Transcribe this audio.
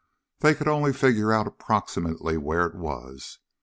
They could only figure out approximately where it was.